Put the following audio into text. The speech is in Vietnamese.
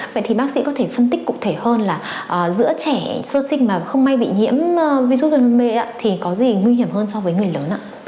vậy thì bác sĩ có thể phân tích cụ thể hơn là giữa trẻ sơ sinh mà không may bị nhiễm virus covid một mươi chín thì có gì nguy hiểm hơn so với người lớn ạ